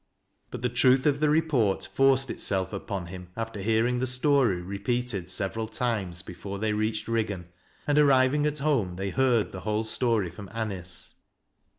Kut the truth of the report forced itself upon him after hearing the story repeated several times before they reached Riggan, and arriving at home they heard the whole story from Anice.